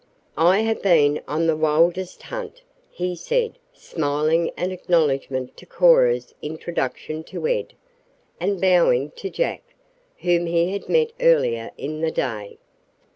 "I have been on the wildest hunt," he said, smiling an acknowledgment to Cora's introduction to Ed, and bowing to Jack, whom he had met earlier in the day.